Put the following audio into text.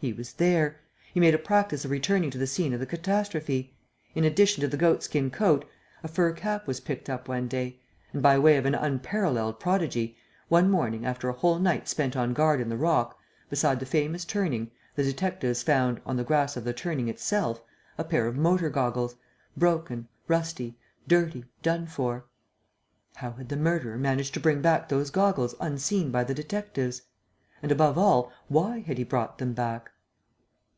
He was there! He made a practice of returning to the scene of the catastrophe! In addition to the goat skin coat, a fur cap was picked up one day; and, by way of an unparalleled prodigy, one morning, after a whole night spent on guard in the rock, beside the famous turning, the detectives found, on the grass of the turning itself, a pair of motor goggles, broken, rusty, dirty, done for. How had the murderer managed to bring back those goggles unseen by the detectives? And, above all, why had he brought them back?